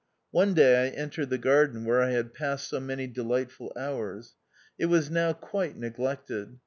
One day I entered the garden, where I had passed so many delightful hours. It was now quite neglected.